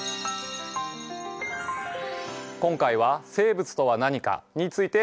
今回は「生物とは何か」について考えてきました。